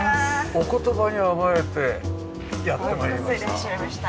お言葉に甘えてやって参りました。